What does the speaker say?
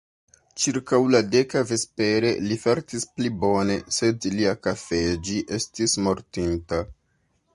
Ĉirkaŭ la deka vespere, li fartis pli bone, sed lia _kafeĝi_ estis mortinta.